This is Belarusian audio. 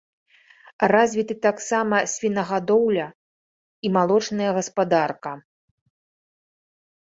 Развіты таксама свінагадоўля і малочная гаспадарка.